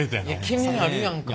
気になるやんか。